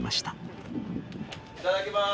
いただきます。